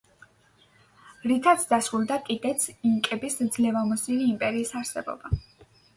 რითაც დასრულდა კიდეც ინკების ძლევამოსილი იმპერიის არსებობა.